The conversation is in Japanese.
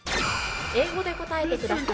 英語で答えてください。